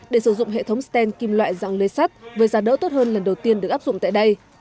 để sử dụng hệ thống stent kim loại dạng lê sắt với giá đỡ tốt hơn lần đầu tiên được áp dụng tại đây